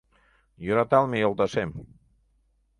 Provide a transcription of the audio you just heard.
Йӧраталме йолташем.